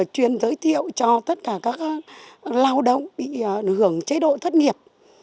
chuyên giới thiệu cho tất cả các lao động bị hưởng chế độ thất nghiệp